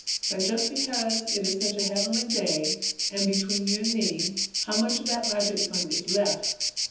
But just because it is such a heavenly day and between you and me, how much of that magic fund is left?"